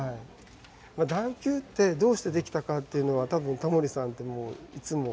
段丘ってどうしてできたかっていうのは多分タモリさんってもういつも。